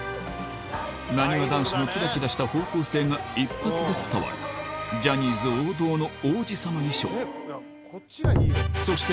なにわ男子のキラキラした方向性が一発で伝わるジャニーズ王道のそして